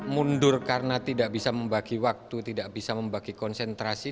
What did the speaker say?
mundur karena tidak bisa membagi waktu tidak bisa membagi konsentrasi